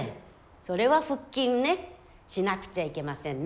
それは腹筋ねしなくちゃいけませんね。